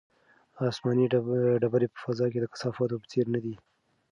آسماني ډبرې په فضا کې د کثافاتو په څېر نه دي.